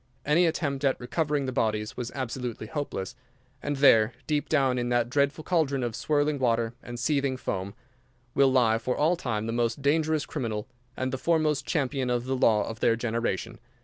Any attempt at recovering the bodies was absolutely hopeless, and there, deep down in that dreadful caldron of swirling water and seething foam, will lie for all time the most dangerous criminal and the foremost champion of the law of their generation.